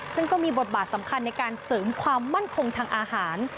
ซึ่งก็มีบทบาทสำคัญในการเสริมความมั่นคงทางอาหาร